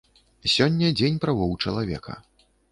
Сёння дзень правоў чалавека.